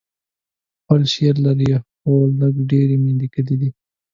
خپل شعر لرئ؟ هو، لږ ډیر می لیکلي ده